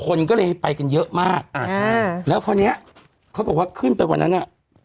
คนก็เลยไปกันเยอะมากอ่าแล้วคราวเนี้ยเขาบอกว่าขึ้นไปวันนั้นอ่ะ